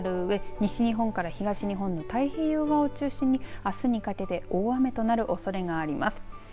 西日本から東日本の太平洋側を中心にあすにかけて大雨のおそれがあります。